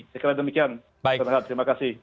sekian dan demikian terima kasih